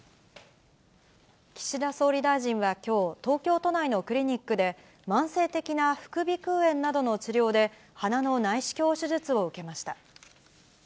岸田総理大臣はきょう、東京都内のクリニックで、慢性的な副鼻腔炎などの治療で、鼻の内視鏡手術を受けました。